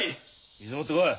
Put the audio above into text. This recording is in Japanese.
水持ってこい！